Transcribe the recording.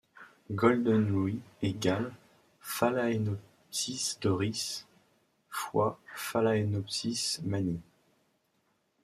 Golden Louis = Phalaenopsis Doris × Phalaenopsis mannii.